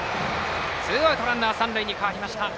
ツーアウトランナー、三塁に変わりました。